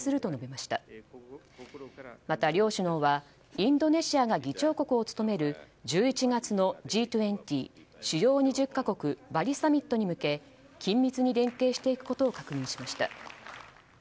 また、両首脳はインドネシアが議長国を務める１１月のＧ２０・主要２０か国バリサミットに向け緊密に連携していくことを確認しました。